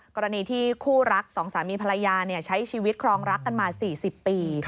กรณีที่คู่รักสองสามีภรรยาใช้ชีวิตครองรักกันมา๔๐ปี